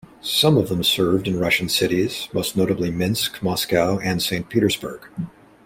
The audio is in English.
Some of them served in Russian cities, most notably Minsk, Moscow and Saint Petersburg.